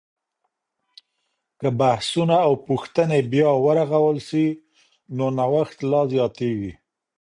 که بحثونه او پوښتنې بیا ورغول سي، نو نوښت لا زیاتیږي.